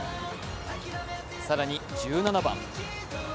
更に１７番。